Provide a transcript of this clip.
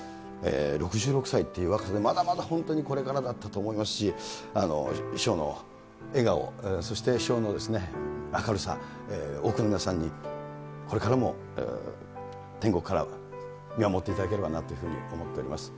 ６６歳っていう若さで、まだまだ本当にこれからだったと思いますし、師匠の笑顔、そして師匠の明るさ、多くの皆さんに、これからも天国から見守っていただければなというふうに思っております。